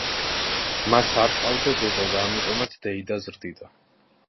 მას არ ჰყავდა დედა და ამიტომაც დეიდა ზრდიდა.